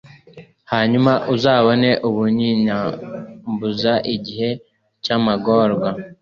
hanyuma uzabone ubunyiyambaza igihe cy’amagorwa